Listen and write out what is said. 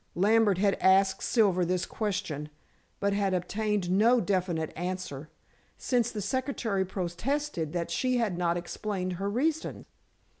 Lambert had asked Silver this question, but had obtained no definite answer, since the secretary protested that she had not explained her reasons.